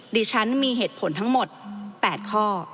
ดิฉันมีเหตุผลทั้งหมด๘ข้อ